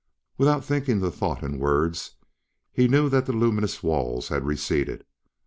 Without thinking the thought in words he knew that the luminous walls had receded.